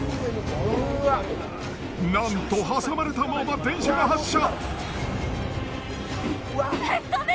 なんと挟まれたまま電車が発車。